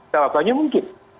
selepas itu mungkin